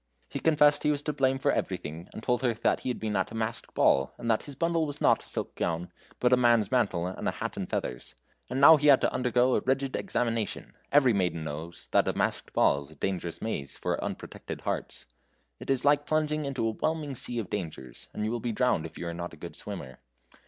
He confessed he was to blame for everything, and told her that he had been at a masked ball, and that his bundle was not a silk gown, but a man's mantle and a hat and feathers. And now he had to undergo a rigid examination. Every maiden knows that a masked ball is a dangerous maze for unprotected hearts. It is like plunging into a whelming sea of dangers, and you will be drowned if you are not a good swimmer.